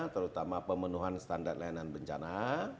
terutama pemenuhan standar layanan bencana